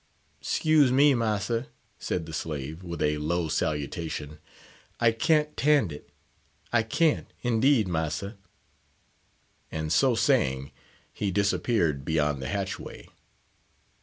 "'Scuse me, massa!" said the slave, with a low salutation; "I can't 'tand it; I can't, indeed, massa!" and, so saying, he disappeared beyond the hatchway.